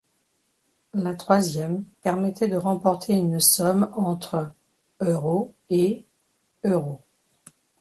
La troisième permettait de remporter une somme entre € et €.